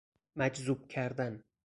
مجذوب کردن